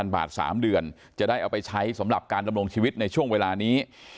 บาท๓เดือนจะได้เอาไปใช้สำหรับการดำรงชีวิตในช่วงเวลานี้